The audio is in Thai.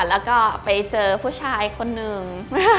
แล้วก็ไปเจอผู้ชายคนหนึ่ง